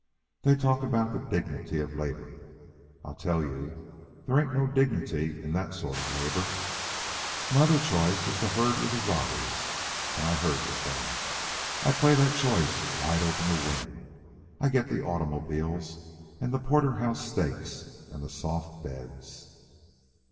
They talk about the dignity of labor. I tell you there ain't no dignity in that sort of labor. My other choice is to herd with the robbers, and I herd with them. I play that choice wide open to win. I get the automobiles, and the porterhouse steaks, and the soft beds.